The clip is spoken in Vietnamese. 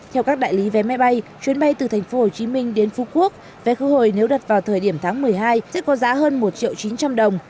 theo các đại lý vé máy bay chuyến bay từ tp hcm đến phú quốc vé khứ hồi nếu đặt vào thời điểm tháng một mươi hai sẽ có giá hơn một triệu chín trăm linh đồng